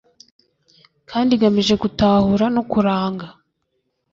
kandi igamije gutahura no kuranga